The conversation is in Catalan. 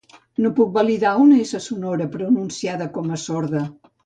No puc validar una essa sonora pronunciada com a sorda.